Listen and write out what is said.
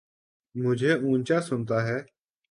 مجھے اونچا سنتا ہے